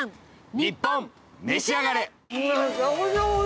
『ニッポンめしあがれ』！